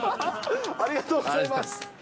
ありがとうございます。